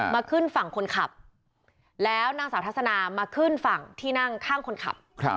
ขึ้นฝั่งคนขับแล้วนางสาวทัศนามาขึ้นฝั่งที่นั่งข้างคนขับ